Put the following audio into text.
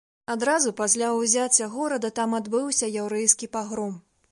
Адразу пасля ўзяцця горада там адбыўся яўрэйскі пагром.